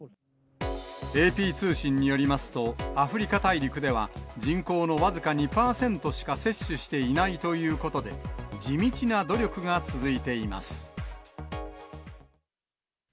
ＡＰ通信によりますと、アフリカ大陸では人口の僅か２％しか接種していないということで、地道な努力が続いています。